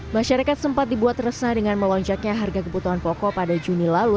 masyarakat sempat dibuat resah dengan melonjaknya harga kebutuhan pokok pada juni lalu